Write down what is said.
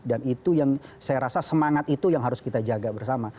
dan itu yang saya rasa semangat itu yang harus kita jaga bersama